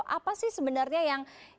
apa sih sebenarnya